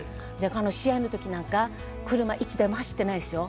試合の時なんか車一台も走ってないですよ。